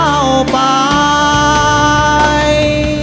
เพื่อพาเจ้าไป